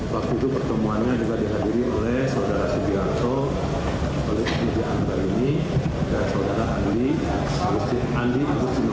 waktu itu pertemuannya juga dihadiri oleh saudara setiato oleh tujuh anggara ini dan saudara andi agustino